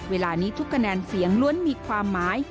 เวลานี้ทุกคะแนนเสียงล้วนมีความหมาย